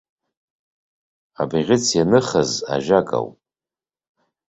Абӷьыц ианыхыз ажәак ауп.